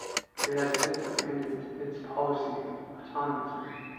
It has since abandoned its policy of autonomism.